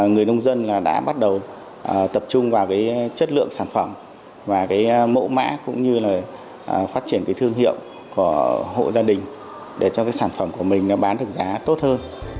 người nông dân đã bắt đầu tập trung vào chất lượng sản phẩm và mẫu mã cũng như phát triển thương hiệu của hộ gia đình để cho sản phẩm của mình bán được giá tốt hơn